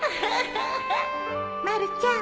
まるちゃん